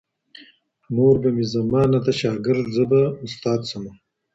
نور به مي زمانه ته شاګرد زه به استاد سمه